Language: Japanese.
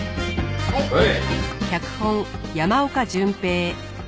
はい。